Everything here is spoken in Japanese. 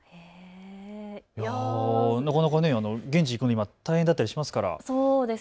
なかなか現地に行くには大変だったりしますから。